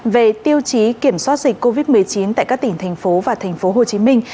về tiêu chí kiểm soát dịch covid một mươi chín tại các tỉnh thành phố và thành phố hồ chí minh